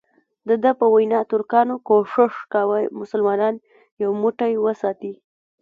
دده په وینا ترکانو کوښښ کاوه مسلمانان یو موټی وساتي.